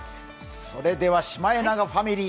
それではシマエナガファミリー